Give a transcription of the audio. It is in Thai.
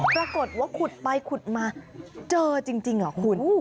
ปรากฏว่าขุดไปขุดมาเจอจริงเหรอคุณ